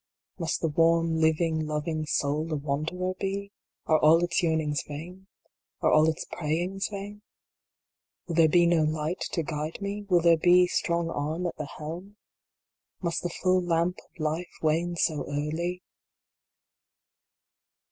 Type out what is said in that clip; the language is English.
Must the warm, living, loving soul a wanderer be ? Are all its yearnings vain ? Are all its prayings vain"? Will there be no light to guide me ? Will there be strong arm at the helm ? Must the full lamp of life wane so early?